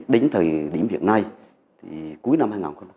đến thời điểm hiện nay cuối năm hai nghìn một mươi bảy